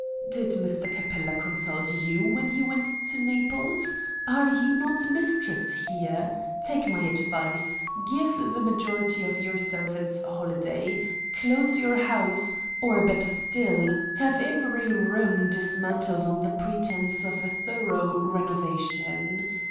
"Did Mr. Capella consult you when he went to Naples? Are you not mistress here? Take my advice. Give the majority of your servants a holiday. Close your house, or, better still, have every room dismantled on the pretence of a thorough renovation.